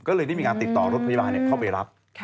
ก็เลยได้มีการติดต่อรถพยาบาลเข้าไปรับ